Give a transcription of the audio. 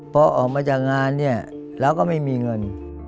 พอออกมาจากงานเนี่ยเราก็ไม่มีเงิน